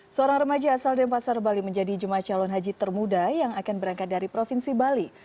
seorang remaja asal denpasar bali menjadi jemaah calon haji termuda yang akan berangkat dari provinsi bali